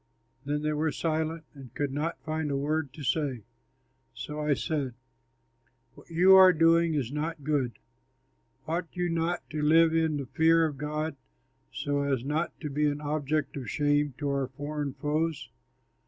Then they were silent and could not find a word to say. So I said, "What you are doing is not good. Ought you not to live in the fear of God, so as not to be an object of shame to our foreign foes?